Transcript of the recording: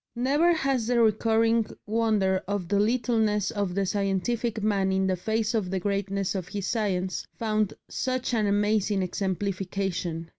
Never has that recurring wonder of the littleness of the scientific man in the face of the greatness of his science found such an amazing exemplification.